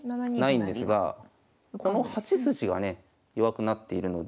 ないんですがこの８筋がね弱くなっているので。